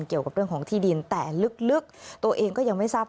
เกี่ยวกับเรื่องของที่ดินแต่ลึกตัวเองก็ยังไม่ทราบ